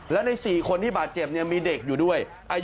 และใน๔คนที่บาดเจ็บมีเด็กอยู่ด้วย